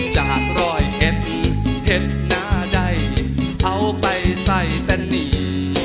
จากรอยเอ็ดเห็ดหน้าใดเอาไปใส่แต่หนี